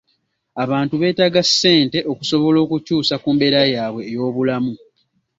Abantu beetaaga ssente okusobola okukyusa ku mbeera yaabwe ey'obulamu.